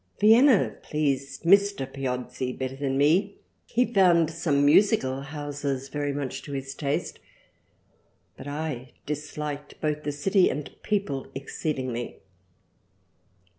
Vienna pleased Mr. Piozzi better than me, he found some musical Houses very much to his Taste but I disliked both the City and People exceedingly.